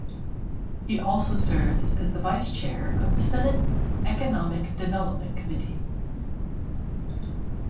He also serves as the vice chair of the Senate Economic Development Committee.